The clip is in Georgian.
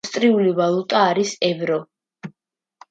ავსტრიული ვალუტა არის ევრო.